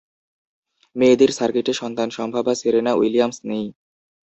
মেয়েদের সার্কিটে সন্তানসম্ভবা Serena Williams নেই।